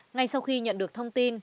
ngay sau khi nhận được thông tin